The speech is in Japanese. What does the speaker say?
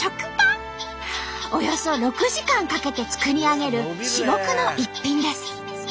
およそ６時間かけて作り上げる至極の逸品です。